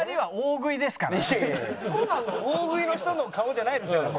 大食いの人の顔じゃないでしょ